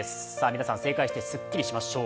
皆さん、正解してスッキリしましょう。